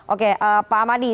oke pak amadi